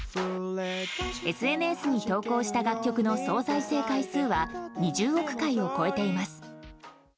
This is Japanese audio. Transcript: ＳＮＳに投稿した楽曲の総再生回数は２０億回を超えています。